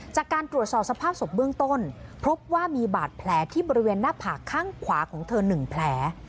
จากการตรวจสอบสภาพศพเบื้องต้นพบว่ามีบาดแผลที่บริเวณหน้าผากข้างขวาของเธอ๑แผล